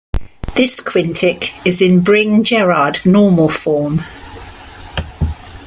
This quintic is in Bring-Jerrard normal form.